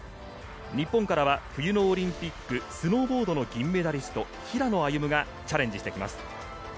日本からは冬のオリンピック、スノーボードの銀メダリスト、平野歩夢がチャレンジしてきます。